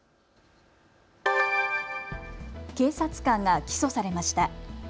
警察官が起訴されました。